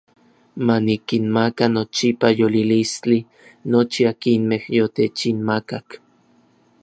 Ma nikinmaka nochipa yolilistli nochi akinmej yotechinmakak.